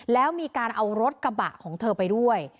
แล้วมีการเอารถกระบะของเธอไปด้วย